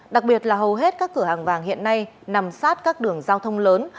đặc biệt là hầu hết các cửa hàng vàng hiện nay nằm sát các đường giao thông lớn